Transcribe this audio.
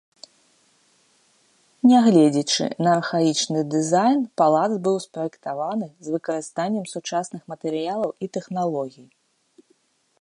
Нягледзячы на архаічны дызайн, палац быў спраектаваны з выкарыстаннем сучасных матэрыялаў і тэхналогій.